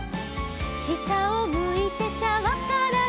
「したをむいてちゃわからない」